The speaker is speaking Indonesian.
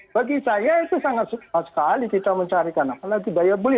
bagi saya itu sangat susah sekali kita mencarikan apa nanti daya beli